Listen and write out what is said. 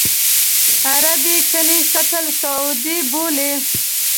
عرب یې کنیسۃ الصعود بولي.